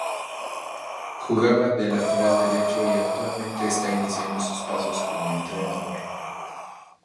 Jugaba de lateral derecho y actualmente está iniciando sus pasos como entrenador.